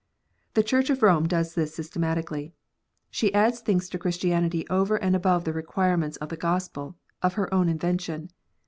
The Church of Rome does this systematically. She adds things to Christianity over and above the requirements of the Gospel, of her own invention.